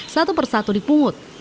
satu persatu dipungut